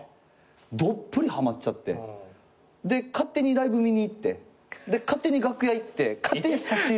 どっぷりはまっちゃってで勝手にライブ見に行って勝手に楽屋行って勝手に差し入れして。